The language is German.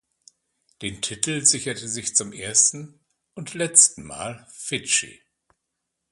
Den Titel sicherte sich zum ersten (und letzten) Mal Fidschi.